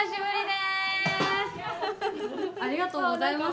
ありがとうございます。